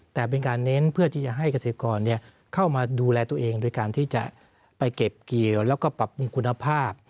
แต่เป็นการเน้นเพื่อที่จะให้เกษตรกรเข้ามาดูแลตัวเองโดยการที่จะไปเก็บเกี่ยวแล้วก็ปรับปรุงคุณภาพ